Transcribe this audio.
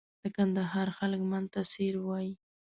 د کندهار خلک من ته سېر وایي.